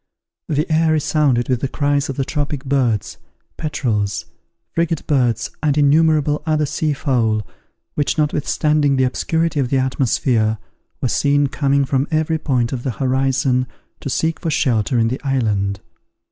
The air resounded with the cries of the tropic birds, petrels, frigate birds, and innumerable other sea fowl, which notwithstanding the obscurity of the atmosphere, were seen coming from every point of the horizon, to seek for shelter in the island.